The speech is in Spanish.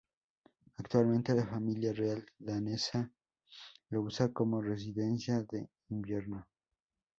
Actualmente, la Familia Real danesa lo usa como residencia de invierno.